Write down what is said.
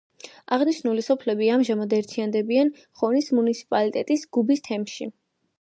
აღნიშნული სოფლები ამჟამად ერთიანდებიან ხონის მუნიციპალიტეტის გუბის თემში.